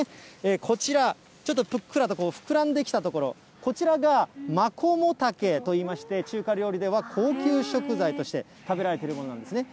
こちら、ちょっとぷっくらと膨らんできた所、こちらがマコモタケといいまして、中華料理では高級食材として食べられているものなんですね。